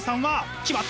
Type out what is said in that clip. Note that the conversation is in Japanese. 決まった！